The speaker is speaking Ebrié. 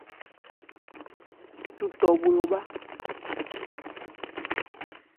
Cu tɔ bhwe obhá.